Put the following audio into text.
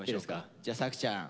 じゃあ作ちゃん。